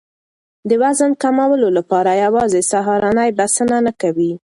د وزن کمولو لپاره یوازې سهارنۍ بسنه نه کوي.